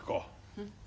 うん？